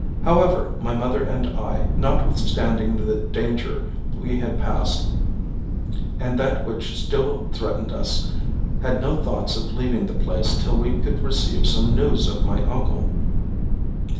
However, my mother and I, notwithstanding the danger we had passed, and that which still threatened us, had no thoughts of leaving the place till we could receive some news of my uncle.